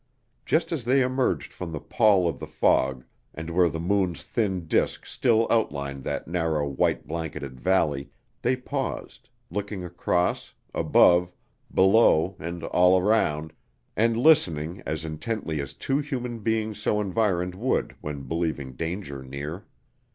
Just as they emerged from the pall of the fog, and where the moon's thin disk still outlined that narrow white blanketed valley, they paused, looking across, above, below and all around, and listening as intently as two human beings so environed would when believing danger near.